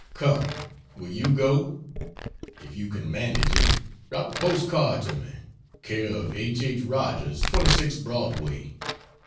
Come will you go? If you can manage it, drop a post card to me c/o H.H. Rogers, 26 Broadway.